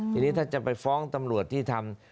ทีนี้ถ้าจะไปฟ้องตำรวจที่ทำ